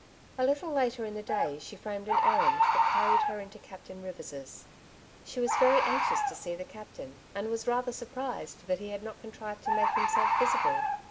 A little later in the day she framed an errand that carried her into Captain Rivers's. She was very anxious to see the captain, and was rather surprised that he had not contrived to make himself visible.